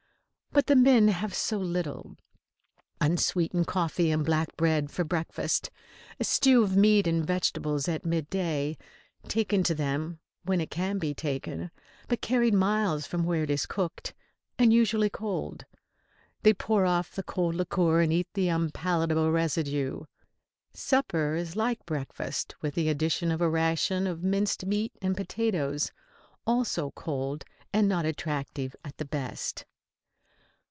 But the men have so little unsweetened coffee and black bread for breakfast; a stew of meat and vegetables at mid day, taken to them, when it can be taken, but carried miles from where it is cooked, and usually cold. They pour off the cold liquor and eat the unpalatable residue. Supper is like breakfast with the addition of a ration of minced meat and potatoes, also cold and not attractive at the best.